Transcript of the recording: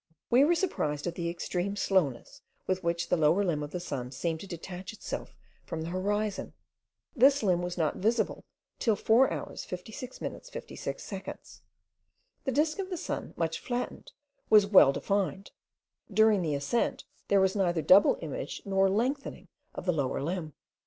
We were surprised at the extreme slowness with which the lower limb of the sun seemed to detach itself from the horizon. This limb was not visible till 4 hours 56 minutes 56 seconds. The disc of the sun, much flattened, was well defined; during the ascent there was neither double image nor lengthening of the lower limb.